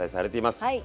はい。